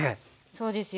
そうですよね。